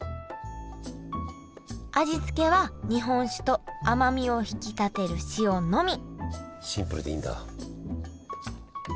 味付けは日本酒と甘みを引き立てる塩のみシンプルでいいんだ。